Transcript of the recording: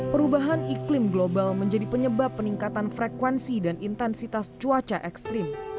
perubahan iklim global menjadi penyebab peningkatan frekuensi dan intensitas cuaca ekstrim